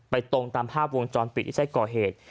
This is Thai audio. ตรงตามภาพวงจรปิดที่ใช้ก่อเหตุ